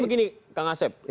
begini kang asep